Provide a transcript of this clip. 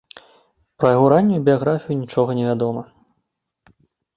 Пра яго раннюю біяграфію нічога не вядома.